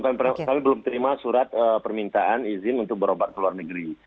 kami belum terima surat permintaan izin untuk berobat ke luar negeri